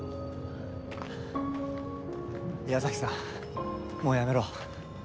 岩崎さんもうやめろ。